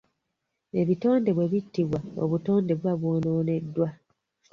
Ebitonde bwe bittibwa obutonde buba bwonooneddwa.